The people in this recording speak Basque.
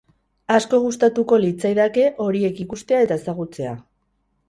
Asko gustatuko litzaidake horiek ikustea eta ezagutzea.